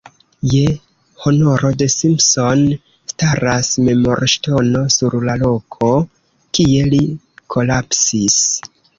Je honoro de Simpson, staras memorŝtono sur la loko, kie li kolapsis.